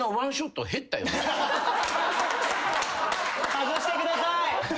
外してください！